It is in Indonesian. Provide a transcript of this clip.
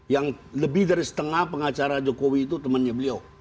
yang lebih dari setengah pengacara jokowi itu temannya beliau